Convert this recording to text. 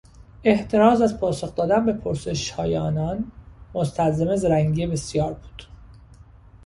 احتراز از پاسخ دادن به پرسشهای آنان مستلزم زرنگی بسیار بود.